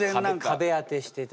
壁当てしててさ。